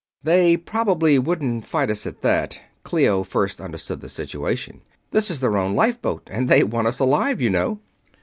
"They probably wouldn't fight us, at that," Clio first understood the situation. "This is their own lifeboat, and they want us alive, you know."